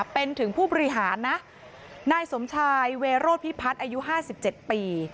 เป็นถึงผู้บริหารนะนายสมชายเวโรธพิพัฒน์อายุ๕๗ปี